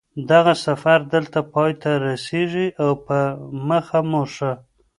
دغه سفر دلته پای ته رسېږي او په مخه مو ښه